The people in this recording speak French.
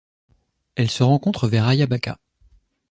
Elle se rencontre vers Ayabaca.